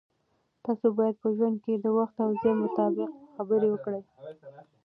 تاسو باید په ژوند کې د وخت او ځای مطابق خبرې وکړئ.